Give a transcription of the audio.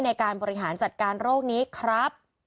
ในการบริหารจัดการโรคนี้ครับ